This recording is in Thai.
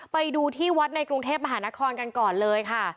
ไปดูที่วัดในกรุงเทพมหานครกันก่อนเลยค่ะ